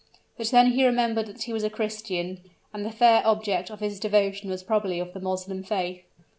But then he remembered that he was a Christian, and the fair object of his devotion was probably of the Moslem faith.